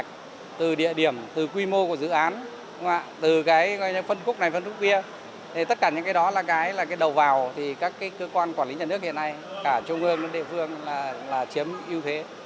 cả trung ương đều phương là chiếm ưu thế